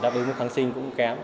đáp ứng kháng sinh cũng kém